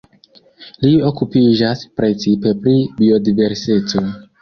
Li okupiĝas precipe pri biodiverseco.